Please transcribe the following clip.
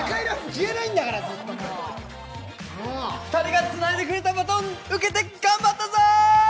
２人がつないでくれたバトン受けて頑張ったぞー。